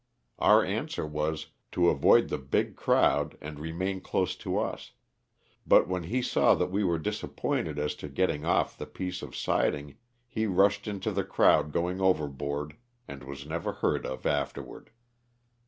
Our answer was, to avoid the big crowd and remain close to us, but when he saw that we were disappointed as to getting off the piece of siding he rushed into the crowd going overboard and was never heard of afterward.